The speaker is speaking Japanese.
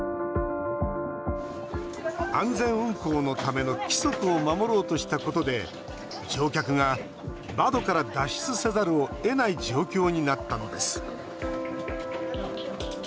安全運行のための規則を守ろうとしたことで乗客が窓から脱出せざるをえない状況になったのです